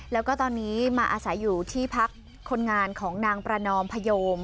แล้วก็ตอนนี้มาอาศัยอยู่ที่พักคนงานของนางประนอมพยม